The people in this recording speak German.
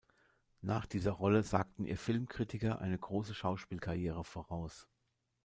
Nach dieser Rolle sagten ihr Filmkritiker eine große Schauspielkarriere voraus.